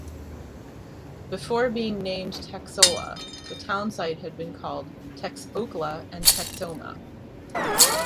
Before being named Texola, the town site had been called Texokla and Texoma.